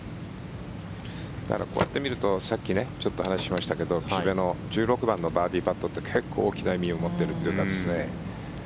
こうやって見るとさっきちょっと話しましたが岸部の１６番のバーディーパットって結構大きな意味を持っているかというか。